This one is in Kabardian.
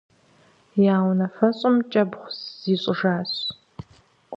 Я унафэщӏым кӀэбгъу зищӀыжащ.